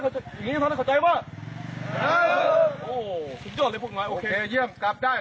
อย่างงี้ทำให้เข้าใจไหมโอเคเยี่ยมกลับได้